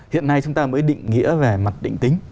hiện nay chúng ta mới định nghĩa về mặt định tính